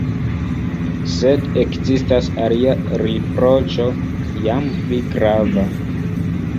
Sed ekzistas alia riproĉo, jam pli grava.